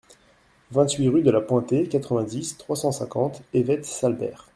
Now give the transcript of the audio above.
vingt-huit rue de la Pointée, quatre-vingt-dix, trois cent cinquante, Évette-Salbert